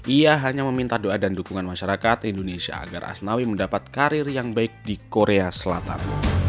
ia hanya meminta doa dan dukungan masyarakat indonesia agar asnawi mendapat karir yang baik di korea selatan